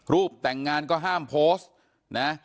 แต่งงานก็ห้ามโพสต์นะ